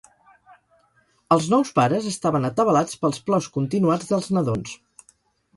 Els nous pares estaven atabalats pels plors continuats dels nadons.